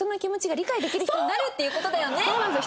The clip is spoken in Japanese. そうなんですよ。